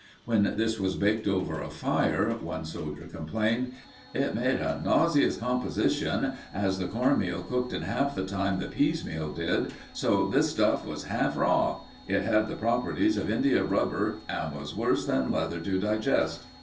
When this was baked over a fire, one soldier complained, "it made a nauseous composition, as the corn meal cooked in half the time the peas meal did, so this stuff was half raw.... It had the properties of india rubber and was worse than leather to digest."